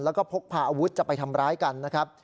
แล้วก็พกพาอาวุธจะไปทำร้ายกันนะครับ